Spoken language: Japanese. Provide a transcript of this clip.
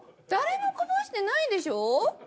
誰もこぼしてないでしょ。